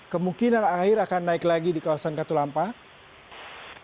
kemungkinan air akan naik lagi di kawasan katulampah